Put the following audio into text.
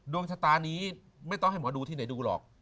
ดวงชะตานี้ไม่ต้องให้หมอดูที่ไหนดูหรอก